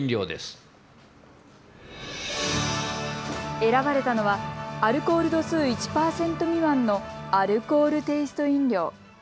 選ばれたのはアルコール度数１％未満のアルコールテイスト飲料。